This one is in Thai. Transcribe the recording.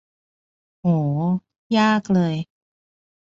โห ยากเลย